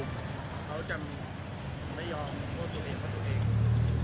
เขาจะไม่ยอมโทษตัวเองเพราะตัวเอง